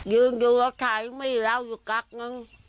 ยืนดูรถถ่ายมีเราอยู่กักนึง